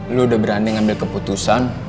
lu udah berani ngambil keputusan